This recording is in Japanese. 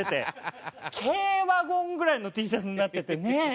軽ワゴンぐらいのＴシャツになっててね。